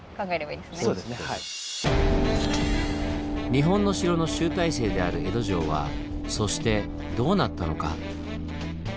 日本の城の集大成である江戸城は「そして」どうなったのか。